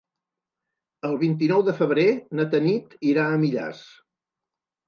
El vint-i-nou de febrer na Tanit irà a Millars.